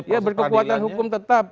ya berkekuatan hukum tetap